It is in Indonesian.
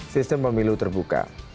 sistem pemilu terbuka